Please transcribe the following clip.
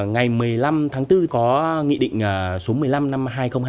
ngày một mươi năm tháng bốn có nghị định số một mươi năm năm hai nghìn hai mươi